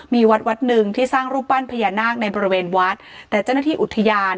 มีวัดวัดหนึ่งที่สร้างรูปปั้นพญานาคในบริเวณวัดแต่เจ้าหน้าที่อุทยาน